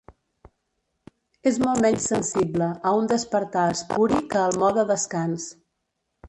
És molt menys sensible a un despertar espuri que al mode descans.